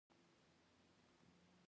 سهار د هیلو نغمه ده.